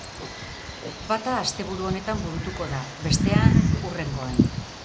Bata asteburu honetan burutuko da, bestean hurrengoan.